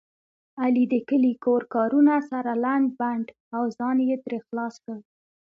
علي د کلي کور کارونه سره لنډ بنډ او ځان یې ترې خلاص کړ.